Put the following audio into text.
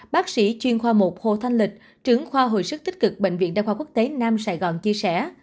bác sĩ chuyên khoa một hồ thanh lịch trưởng khoa hồi sức tích cực bệnh viện đa khoa quốc tế nam sài gòn chia sẻ